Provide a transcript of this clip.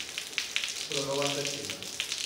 Però no va ser així.